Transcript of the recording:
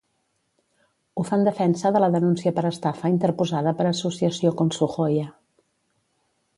Ho fa en defensa de la denúncia per estafa interposada per associació Consujoya